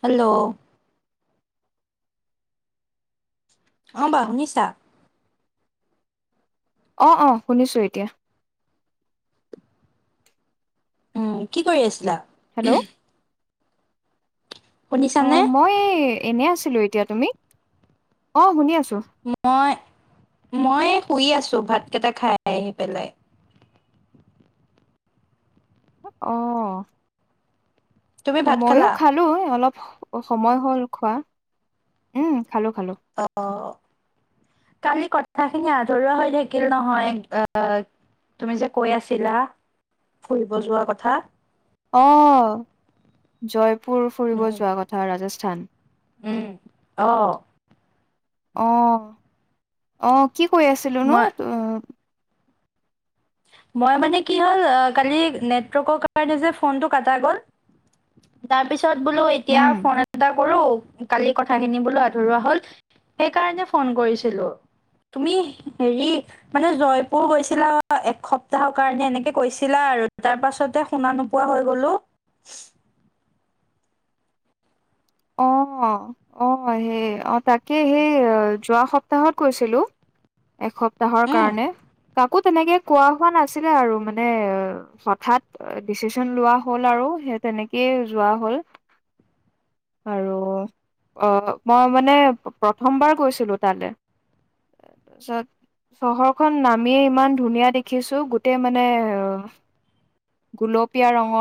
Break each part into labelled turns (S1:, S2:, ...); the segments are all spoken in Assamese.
S1: হেল্ল'? অ', বা শুনিছা?
S2: অ', অ', শুনিছো এতিয়া।
S1: উম, কি কৰি আছিলা?
S2: হেল্ল'?
S1: শুনিছানে
S2: অ', মই এনে আছিলো এতিয়া। তুমি? অ' শুনি আছো।
S1: মই মই শুই আছো ভাতকেইটা খায় আহি পেলায়।
S2: অ',
S1: তুমি ভাত
S2: ময়ো
S1: খালা
S2: খালো অলপ সময় হ'ল খোৱা উম। খালোঁ খালোঁ।
S1: অ', অ', কালি কথা কথাখিনি আধৰুৱা হৈ থাকিল নহয়। আহ তুমি যে কৈ আছিলা। ফুৰিব যোৱা কথা।
S2: আহ জয়পুৰ ফুৰিব
S1: উম
S2: যোৱা কথা ৰাজস্থান।
S1: উম, অ'।
S2: অ', আহ কি কৈ আছিলোনো?
S1: মই মই মানে কি হ'ল কালি নেটৱৰ্কৰ কাৰণে যে ফোনটো কটা গ'ল। তাৰ পিছত বোলো এতিয়া
S2: উম,
S1: ফোন এটা কৰো কালি কথাখিনি বোলো আধৰুৱা হ'ল। সেইকাৰণে ফোন কৰিছিলো। তুমি হেৰি মানে জয়পুৰ গৈছিলা একসপ্তাহৰ কাৰণে এনেকে কৈছিলা আৰু তাৰ পাছতে শুনা নোপোৱা হৈ গ'লো। [inaudible]
S2: অ', আহ সেই অ' তাকে সেই যোৱা সপ্তাহত কৈছিলো। এসপ্তাহৰ
S1: উম
S2: কাৰণে। কাকো তেনেকে কোৱা হোৱা নাছিলে আৰু মানে হঠাৎ ডিচিছন লোৱা হ'ল, আৰু। আৰু সেই তেনেকেই যোৱা হ'ল।
S1: [inaudible]
S2: আৰু অ' মই মানে প্ৰথমবাৰ গৈছিলো তালৈ। তাৰপাছত চহৰখন নামিয়ে ইমান ধুনীয়া দেখিছো, গোটেই মানে গোলপীয়া ৰং।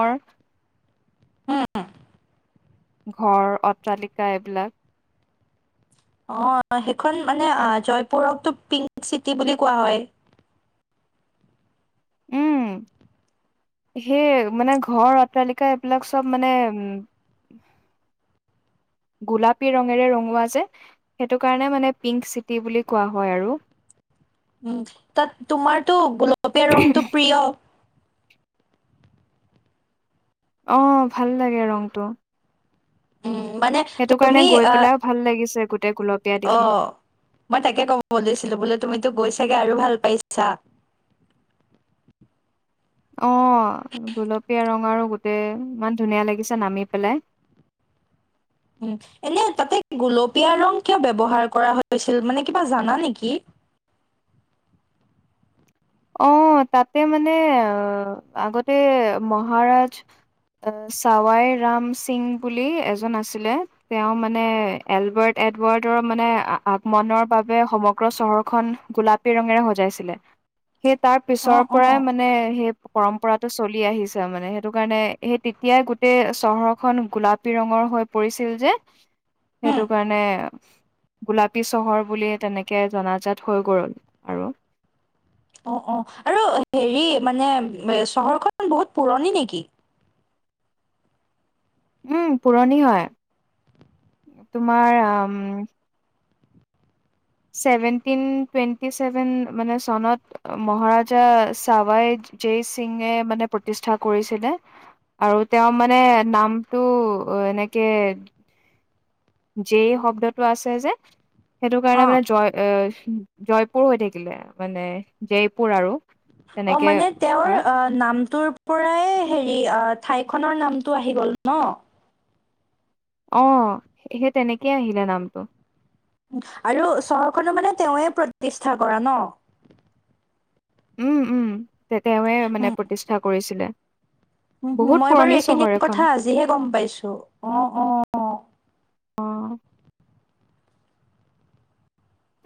S1: উম।
S2: ঘৰ অট্টালিকা এইবিলাক।
S1: অ', সেইখন মানে জয়পুৰকো পিংক চিটি বুলি কোৱা হয়।
S2: উম,
S1: [inaudible]
S2: সেই মানে ঘৰ অট্টালিকা এইবিলাক চব মানে উম
S1: [inaudible]
S2: গোলাপী ৰঙেৰে ৰঙোৱা যে সেইটো কাৰণে মানে পিংক চিটি বুলি কোৱা হয় আৰু।
S1: উম, তাত তোমাৰতটো গোলপীয়া ৰংটো প্ৰিয়।
S2: আহ ভাল লাগে ৰংটো।
S1: উম মানে
S2: সেইটো
S1: তুমি
S2: কাৰণে গৈ
S1: আহ
S2: পেলাইও ভাল লাগিছে। গোটেই গুলপীয়া দেখি।
S1: অ' মই তাকে ক'ব খুজিছিলো বোলো তুমিতো গৈছি চাগে আৰু ভাল পাইছা।
S2: অ' গোলপীয়া ৰং আৰু গোটেই ইমান ধুনীয়া লাগিছে নামি পেলাই।
S1: [inaudible] এনে তাতে, গোলপীয়া ৰং কিয় ব্যৱহাৰ কৰা হৈছিল মানে কিবা জানা নেকি? [inaudible]
S2: আহ তাতে মানে আহ আগতে মহাৰাজ চাৱাই ৰাম সিং বুলি এজন আছিলে, তেওঁ মানে এলবাৰ্ট এডাবৰ্ডৰ মানে আগমনৰ বাবে সমগ্ৰ চহৰখন গোলাপী ৰঙেৰে সজাইছিলে। সেই তাৰ পিছৰ
S1: অ',
S2: পৰাই
S1: অ'।
S2: মানে সেই। পৰম্পৰাতটো চলি আহিছে মানে, সেইটো কাৰণে সেই তেতিয়াই গোটেই চহৰ খন গোলাপী ৰঙৰ হৈ পৰিছিল যে
S1: উম,
S2: সেইটো কাৰণে। গোলাপী চহৰ বুলি তেনেকে জনাজাত হৈ গ'ল, আৰু।
S1: অ' অ' আৰু হেৰি মানে চহৰখন বহুত পুৰণি নেকি?
S2: উম, পুৰণি হয়, তোমাৰ উম। চেভেন টিন টুৱেন্টি চেভেন মানে চনত মহাৰাজা চাবাই জেই সিঙে মানে প্ৰতিষ্ঠা কৰিছিলে আৰু তেওঁ মানে নামটো অ' এনেকে
S1: [inaudible]
S2: যেই শব্দটো আছে যে সেইটো কাৰণে
S1: অ'।
S2: মানে জয় জয়পুৰ হৈ থাকিলে মানে জয়পুৰ আৰু
S1: অ'
S2: তেনেকে
S1: মানে তেওঁৰ
S2: কয়
S1: অ' নাম তোৰ পৰাই হেৰি অ ঠাইখনৰ নামটো আহি গ'ল ন।
S2: অ' সেই তেনেকেই আহিলে নামটো।
S1: আৰু চহৰখনো মানে তেওঁৱে প্ৰতিষ্ঠা কৰা ন।
S2: উম, উম, তে তেওঁৱে মানে
S1: উম।
S2: প্ৰতিষ্ঠা কৰিছিলে।
S1: উম,
S2: বহুত
S1: মই বাৰু
S2: পুৰণি
S1: এইখিনি
S2: চহৰ এখন
S1: কথা আজিহে গ'ম পাইছো, অ' অ'।
S2: অ'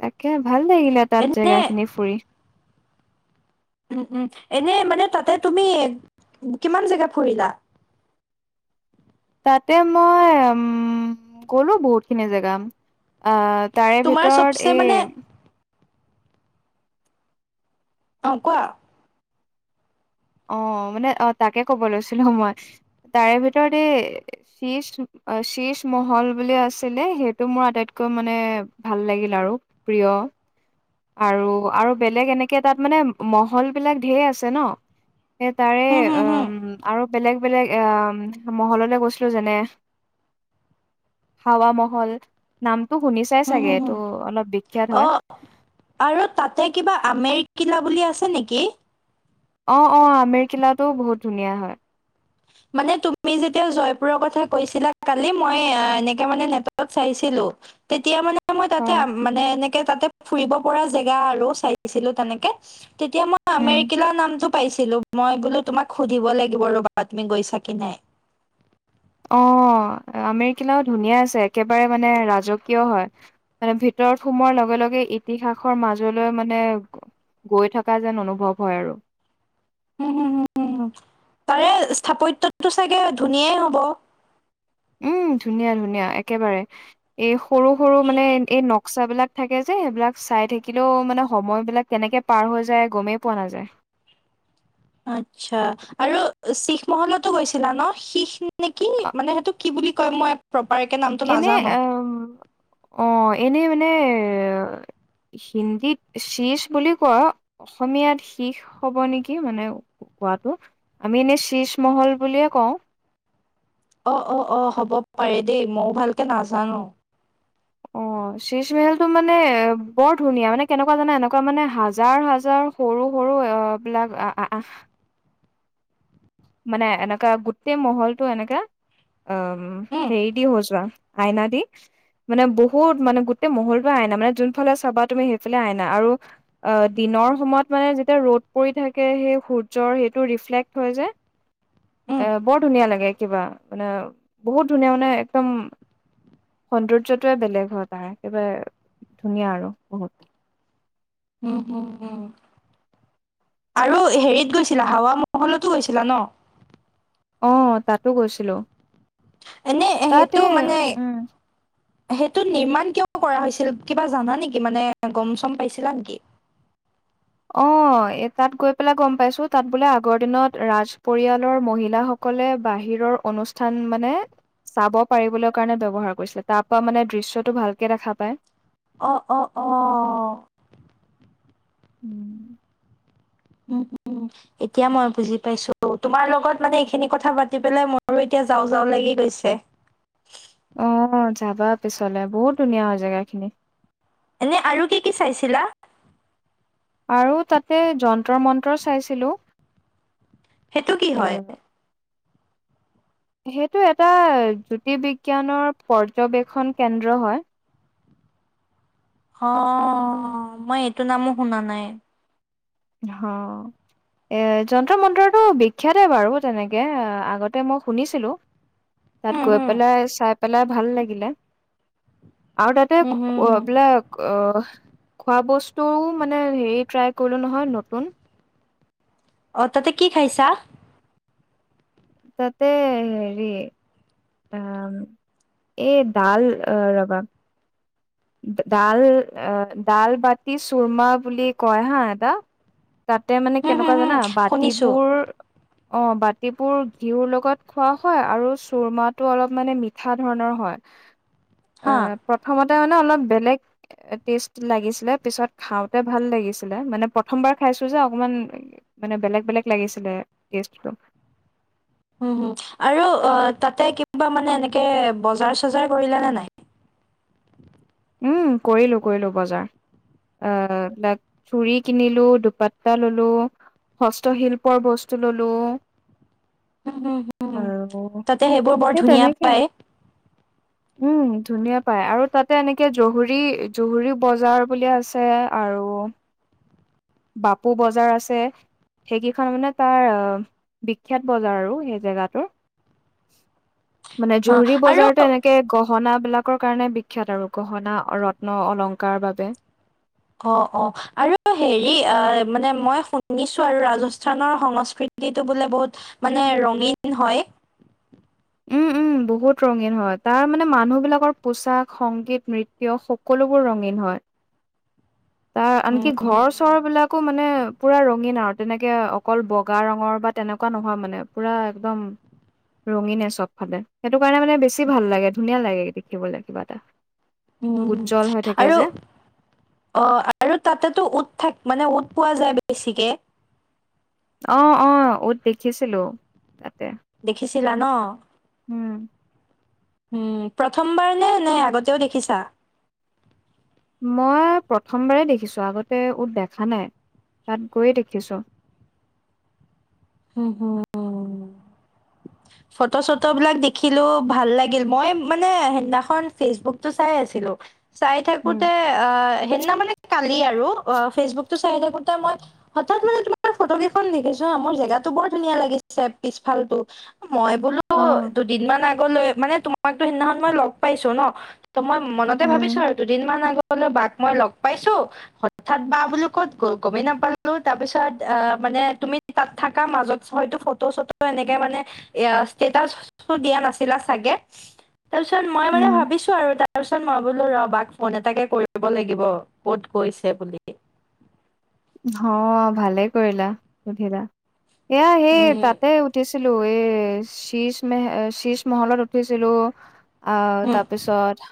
S2: তাকে ভাল লাগিলে তাত
S1: এনে
S2: জেগা খিনি ফুৰি।
S1: উম, উম, এনে মানে তাতে তুমি কিমান জেগা ফুৰিলা।
S2: তাতে মই উ গলো বহুতখিনি জেগা আহ তাৰে
S1: তোমাৰ
S2: ভিতৰত
S1: চবচে
S2: এই।
S1: মানে অ' কোৱা।
S2: অ' মানে অ' তাকে ক'ব লৈছিলো মই। তাৰে ভিতৰত এই শীজ, শীজ মহল বুলি আছিলে সেইটো মোৰ আটাইতকৈ টো মানে ভাল লাগিল আৰু প্ৰিয়। আৰু আৰু বেলেগ এনেকে তাত মানে মহল বিলাক ধেৰ আছে ন।
S1: হম হম হম
S2: সেই বেলেগ বেলেগ আহ মহললে গৈছিলো যেনে। হাৱৰ মহল নাম। তো শুনিচাই
S1: হম
S2: চাগে
S1: হম হম
S2: এটো অলপ বিখ্যাত
S1: অ
S2: হয়।
S1: আৰু তাতে কিবা আমেৰিকিলা বুলি আছে নেকি?
S2: অ' অ' আমেৰিকিলাটোও বহুত ধুনীয়া হয়।
S1: মানে তুমি যেতিয়া জয়পুৰৰ কথা কৈছিলা কালি মই এনেকে মানে নেটত চাইছিলো। তেতিয়া মান। মই
S2: অ
S1: তাতে মানে এনেকে তাতে ফুৰিব পৰা জেগা আৰু চাইছিলো তেনেকে। তেতিয়া মই
S2: উম
S1: আমেৰিকা নামটো পাইছিলো, মই বোলো তোমাক সুধিব লাগিব ৰবা। [unintelligible] গৈছাকে নাই।
S2: অ' আমেৰিকিলাও ধুনীয়া আছে, একেবাৰে মানে ৰাজকীয় হয় তাৰ ভিতৰত ভিতৰত সোমোৱাৰ লগে লগে ইতিহাসৰ মাজলৈ মানে। গৈ থকা যেন অনুভৱ হয়, আৰু
S1: উম, হম, হম, হম, তাৰে স্থাপত্যৰ টো চাগে ধুনীয়াই হ'ব।
S2: উম, ধুনীয়া ধুনীয়া একেবাৰে এই সৰু সৰু মানে এই নক্সা বিলাক থাকে যে। এইহেইবিলাক চাই থাকিলেও মানে সময় বিলাক কেনেকে পাৰ হৈ যায়, গমেই পোৱা নাযায়।
S1: আচ্ছা, আৰু শিখ মহলতো গৈছিলা ন। শিষ নেকি মানে সেইটো কি বুলি কয় মই। প্ৰপাৰকে নামটো
S2: এনেই
S1: নাজানো
S2: অ' অ' এনেই মানে
S1: [inaudible]
S2: হিন্দীত শিজ বুলি কোৱা অসমীয়াত শিষ হ'ব নেকি মানে? কোৱাতটো, আমি এনেই শীজ মহল বুলিয়ে কওঁ।
S1: অ' অ' অ' হ'ব পাৰে দেই ময়ো ভালকে নাজানো।
S2: অ' শীজ মেহেল টো মানে বৰ ধুনীয়া মানে কেনেকুৱা জানা এনেকুৱা মানে হাজাৰ হাজাৰ সৰু সৰু। সৰু বিলাক আ আহ। মানে এনেকা গোটেই মহলটো এনেকা অ'
S1: উম
S2: হেৰি দি খোজোৱা। আইনা দি। মানে বহুত মানে গোটেই মহলটো আইনা মানে যোনফালে চাবা তুমি সেইফালে আইনা আৰু অ' দিন দিনৰ সময়ত মানে যেতিয়া ৰ'দ পৰি থাকে সেই সূৰ্যৰ সেইটো ৰিফ্ৰেলেক হয় যে।
S1: উম
S2: এ বৰ ধুনীয়া লাগে কিবা মানে বহুত ধুনীয়া মানে একদম। সৌন্দৰ্য্য টোৱে বেলেগ হয় তাৰে একেবাৰে ধুনীয়া আৰু বহুত।
S1: উম, হম, হম। আৰু হেৰিত গৈছিলা হাৱা মহলতো গৈছিলা ন।
S2: অ' তাতো গৈছিলো।
S1: এনে হেতু মানে।
S2: উম
S1: হেইটো নিৰ্মাণ কিয় কৰা হৈছিল, কিবা জানা নেকি মানে গ'ম চম পাইছিলা নেকি? [inaudible]
S2: অ' এই তাত গৈ পেলাই গ'ম পাইছো, তাত বোলে আগৰ দিনত ৰাজ পৰিয়ালৰ মহিলাসকল সকলে বাহিৰৰ অনুষ্ঠান মানে। চাব পাৰিবলৈ কাৰণে ব্যৱহাৰ কৰিছিলে তাৰ পৰা মানে দৃশ্যটো ভালকে দেখা পায়।
S1: অ' অ' অহ'।
S2: উম।
S1: উম। এতিয়া মই বুজি পাইছো। তোমাৰ লগত মানে এইখিনি কথা পাতি পেলাই মইো এতিয়া যাওঁ যাওঁ লাগি। লৈছে
S2: অ যাবা পিছলে, বহুত ধুনীয়া হয় জেগাখিনি।
S1: এনে আৰু কি কি চাইছিলা?
S2: আৰু তাতে যন্ত্ৰ মন্ত্ৰ চাইছিলোঁ
S1: সেইটো কি হয়?
S2: সেইটো এটা জ্যোতিৰ্বিজ্ঞানৰ পৰ্যবেক্ষণ কেন্দ্ৰ হয়।
S1: অ', মই এইটো নামো শুনা নাই।
S2: হাও এ যন্ত্ৰ মন্ত্ৰটো বিখ্যাতে বাৰু তেনেকে আগতে মই শুনিছিলো। তাত
S1: হুম,
S2: গৈ
S1: হুম,
S2: পেলাই চাই পেলাই ভাল লাগিলে। আৰু তাতে
S1: হুম, হুম।
S2: বিলাক অ' খোৱা বস্তুও মানে হেৰি ট্ৰাই কৰি। নহয় নতুন
S1: অ' তাতে কি খাইছা।
S2: তাতে হেৰি আহ এই ডাল ৰবা। ডাল, ডাল বাটি চুৰমা বুলি কয় হা এটা তাতে মানে
S1: হুম, হুম,
S2: কেনেকুৱা
S1: হুম,
S2: জানা,
S1: শুনিছো।
S2: বাতিবোৰ অ', বাতিবোৰ ঘিউৰ লগত খোৱা হয় আৰু চুৰমাতো অলপ মানে মিঠা ধৰণৰ হয়। এ,
S1: হা।
S2: প্ৰথমতে মানে অলপ বেলেগ টেষ্ট লাগিছিলে পিছত খাওঁতে ভাল লাগিছিলে, মানে প্ৰথমবাৰ খাই চো যে অকমান মানে বেলেগ বেলেগ লাগিছিলে কেছটো
S1: [inaudible] উ আৰু তাতে কিবা মানে এনেকে বজাৰ চজাৰ কৰিলে নে নাই?
S2: উম, কৰিলোঁ কৰিলোঁ বজাৰ। আ, লাক চুৰি কিনিলো দুপাতটা ললোঁ হস্তশিল্পৰ বস্তু ললোঁ।
S1: হুম, হুম, হুম।
S2: আৰু,
S1: তাতে সেইবোৰ বৰ
S2: সেই
S1: ধুনীয়া
S2: তেনেকেই
S1: পায়।
S2: উম ধুনীয়া পায় আৰু তাত এনেকে জহুৰ, জহুৰী বজাৰ বুলি আছে আৰু বাপু বজাৰ আছে সেইকেইখন মানে তাৰ বিখ্যাত বজাৰ আৰু, সেই জেগাটোৰ।
S1: [inaudible]
S2: মানে
S1: অ',
S2: জুহুৰি
S1: আৰু
S2: বজাৰতো এনেকে গ গহনাবিলাকৰ কাৰণে বিখ্যাত আৰু গহনা ৰত্ন অলংকাৰ বাবে।
S1: অ', অ', আৰু হেৰি অ', মানে মই শুনিছোঁ আৰু ৰাজস্থানৰ সংস্কৃতি টো বোলে বহুত মানে ৰঙীন হয়?
S2: উম, উম, বহুত ৰঙীন হয়, তাৰ মানে মানুহবিলাকৰ পোচাক, সংগীত, নৃত্য সকলোবোৰ ৰঙীন হয়। তাৰ
S1: উম,
S2: আনকি ঘৰ-চৰবিলাকো মানে পুৰা ৰঙীন আৰু, তেনেকে অকল বগা ৰঙৰ বা তেনেকুৱা নহয় মানে, পুৰা একদম ৰঙীনে চবফালে, সেইটো কাৰণে মানে বেছি ভাল লাগে ধুনীয়া লাগে দেখিবলৈ কিবা এটা।
S1: উম,
S2: উজ্জ্বল হৈ থাকে
S1: আৰু
S2: যে
S1: অ', আৰু তাতেতো উট থাক, মানে উট পোৱা যায় বেছিকে
S2: অ', অ', উট দেখিছিলোঁ তাতে
S1: দেখিছিলা ন?
S2: হম্।
S1: উম, প্ৰথমবাৰ নে নাই আগতেও দেখিছা?
S2: মই প্ৰথমবাৰেই দেখিছোঁ, আগতে উট দেখা নাই। তাত গৈয়ে দেখিছোঁ।
S1: হম হম উ [inaudible] ফটো চটো বিলাক দেখিলো ভাল লাগিল, মই মানে সেইদিনাখন ফেচবুকতটো চাই আছিলো। চাই
S2: উম,
S1: থাকোতে অ' সেইদিনা মানে। [unintelligible] ফেচবুক টো চাই থাকো মই হঠাৎ মানে তোমাৰ ফটো কেইখন দেখিছো মই জেগাটো। বৰ ধুনীয়া লাগিছে পিছফালটো। মই বোলো
S2: অ',
S1: দুদিন মান আগলৈ। মানে তোমাকতো সিদিনাখন মই লগ পাইছো ন, ত, মই মনতে ভাবিছো
S2: উম,
S1: আৰু দুদিন মান আগলৈ বাক মই লগ পাইছো, হঠাৎ বা বোলো ক'ত গ'ল গমেই নাপালো। তাৰপিছত অ' মানে তুমি তাত থকা মাজত হয়তো ফটো চটো এনেকে মানে এয়া ষ্টেটাছটো দিয়া নাছিলা চাগে, তাৰপিছত মই মানে
S2: উম,
S1: ভাবিছোঁ আৰু তাৰপিছত মই বোলো ৰ বাক ফোন এটাকে কৰিব লাগিব, ক'ত গৈছে বুলি? [inaudible]
S2: অ', ভালেই কৰিলা সুধিলা এয়া সেই
S1: উম
S2: তাতে উঠিছো ছিলো, এ, শীচ ম, শীষ মহলত উঠিছিলোঁ আ,
S1: উম
S2: তাৰপিছত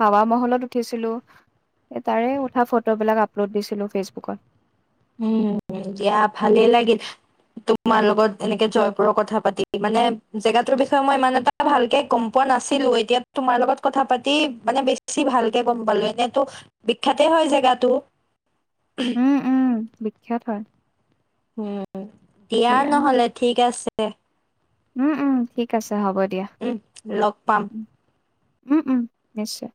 S2: হাৱা মহলত উঠিছিলো, তাৰে উঠা ফটো বিলাক আপলোড দিছিলো ফেচবুকত।
S1: উম, দিয়া ভালে লাগিল। তোমাৰ লগত এনেকে জয়পুৰৰ কথা পাতি মানে জেগাটোৰ বিষয়ে মই ইমান এটা ভালকে গ'ম পোৱা নাছিলো। এতিয়া তোমাৰ লগত কথা পাতি মানে বেছি ভালকে গ'ম পালো এনেতো বিখ্যাতে হয়। জেগাটো
S2: উম, উম, বিখ্যাত হয়।
S1: উম, দিয়া নহ'লে ঠিক আছে।
S2: উম, উম, ঠিক আছে। হ'ব দিয়া।
S1: উম, লগ পাম।
S2: উম, উম, নিশ্চয়।